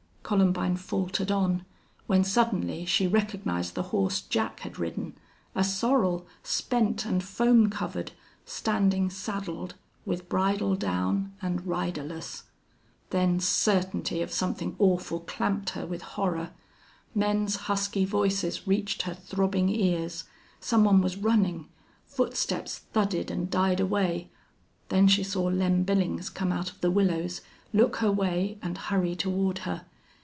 Columbine faltered on, when suddenly she recognized the horse Jack had ridden a sorrel, spent and foam covered, standing saddled, with bridle down and riderless then certainty of something awful clamped her with horror. Men's husky voices reached her throbbing ears. Some one was running. Footsteps thudded and died away. Then she saw Lem Billings come out of the willows, look her way, and hurry toward her.